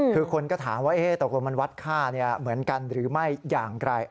คือคนก็ถามว่าตกลงมันวัดค่าเหมือนกันหรือไม่อย่างไร